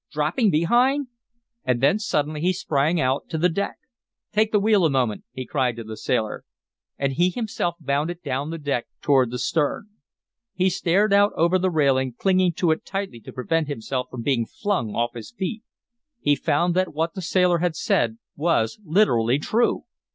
"Dropping behind!" And then suddenly he sprang out to the deck. "Take the wheel a moment," he cried to the sailor. And he himself bounded down the deck toward the stern. He stared out over the railing, clinging to it tightly to prevent himself from being flung off his feet. He found that what the sailor had said was literally true.